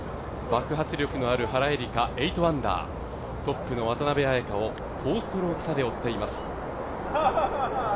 爆発力のある原英莉花、８アンダートップの渡邉彩香を４ストローク差で追っています。